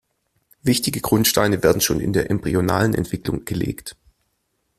Wichtige Grundsteine werden schon in der embryonalen Entwicklung gelegt.